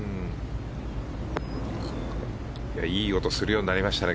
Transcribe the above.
いい音がするようになりましたね。